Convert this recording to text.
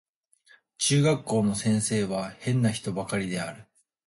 中学校の先生は変な人ばかりである